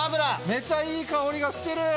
めちゃいい香りがしてる。